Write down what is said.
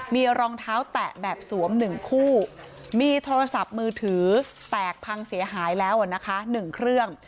มีรองเท้าแตะแบบสวม๑คู่มีโทรศัพท์มือถือแตกพังเสียหายแล้วนะคะ๑เครื่อง